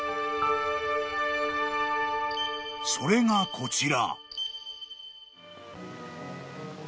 ［それがこちら］